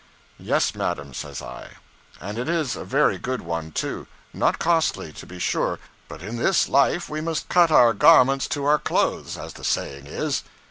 '"Yes, madam," says I, "and it is a very good one, too; not costly, to be sure, but in this life we must cut our garment to our clothes, as the saying is."